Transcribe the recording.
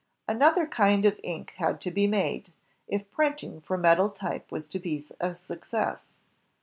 Another kind of ink had to be made, if printing from metal tj^ was to be a success.